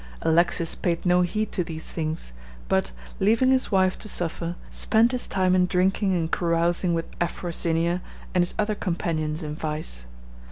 Alexis paid no heed to these things; but, leaving his wife to suffer, spent his time in drinking and carousing with Afrosinia and his other companions in vice.